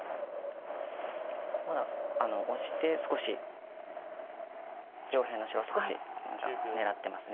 まだオシて少し上辺の白少し狙ってます。